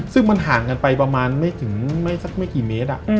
ซึ่งมันห่างกันไปประมาณไม่ถึงไม่สักไม่กี่เมตร